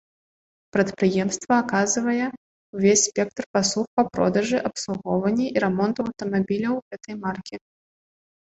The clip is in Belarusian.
Прадпрыемства аказвае ўвесь спектр паслуг па продажы, абслугоўванні і рамонту аўтамабіляў гэтай маркі.